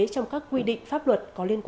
trong các quy định pháp luật